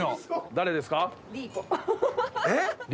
誰ですか？